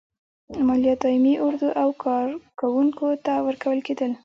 مالیات دایمي اردو او کارکوونکو ته ورکول کېدل.